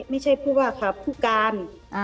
ไม่ใช่ผู้ว่าค่ะผู้การ